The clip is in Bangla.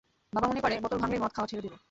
বাবা মনে করে, বোতল ভাঙলেই, মদ খাওয়া ছেড়ে দিবো?